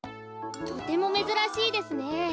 とてもめずらしいですね。